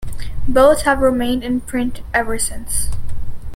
Both have remained in print ever since.